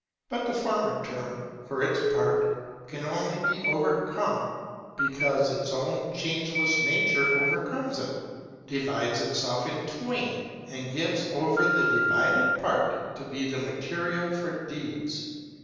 But the former term, for its part, can only be over come because its own Changeless Nature overcomes it, divides itself in twain, and gives over the divided part to be the material for deeds.